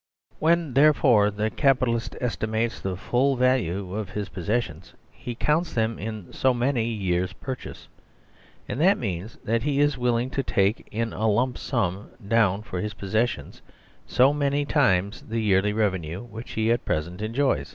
When, therefore, the Capitalist estimates the full value of his possessions, he counts them in "so many years' pur chase."* And that means that he is willing to take in a lump sum down for his possessions so many times the year ly revenue which he at present enjoys.